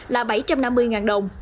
là bảy trăm năm mươi ngàn đồng